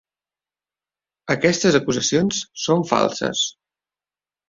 Aquestes acusacions són falses.